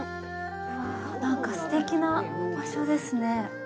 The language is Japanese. うわぁ、なんかすてきな場所ですね。